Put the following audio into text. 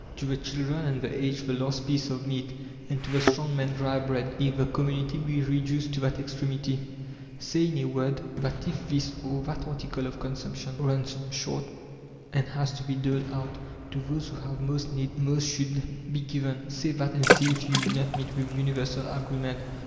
To the children and the aged the last piece of meat, and to the strong man dry bread, if the community be reduced to that extremity. Say, in a word, that if this or that article of consumption runs short, and has to be doled out, to those who have most need most should be given. Say that and see if you do not meet with universal agreement.